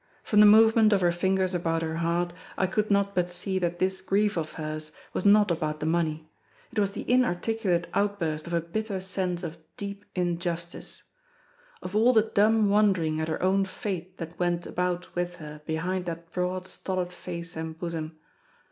From the movement of her fingers about her heart I could not but see that this grief of hers was not about the money. It was the inarticulate outburst of a bitter sense of deep injustice; of all the dumb wondering at her own fate that went about with her behind that broad stolid face and bosom.